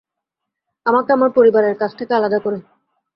আমাকে আমার পরিবারের কাছ থেকে আলাদা করে।